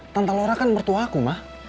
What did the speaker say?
tante laura kan mertua aku ma